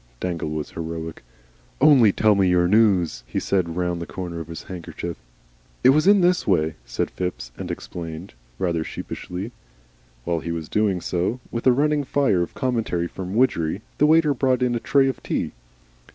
Dangle was heroic. "Only tell me your news," he said, round the corner of the handkerchief. "It was in this way," said Phipps, and explained rather sheepishly. While he was doing so, with a running fire of commentary from Widgery, the waiter brought in a tray of tea.